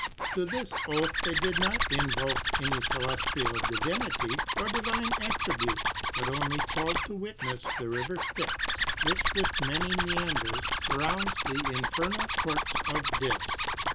To this oath they did not invoke any celestial divinity, or divine attribute, but only called to witness the River Styx, which, with many meanders, surrounds the infernal court of Dis.